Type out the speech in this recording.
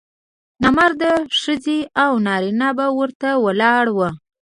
نامراده ښځې او نارینه به ورته ولاړ وو.